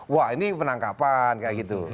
wah ini penangkapan kayak gitu